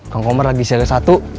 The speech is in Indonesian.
kang komar lagi seri satu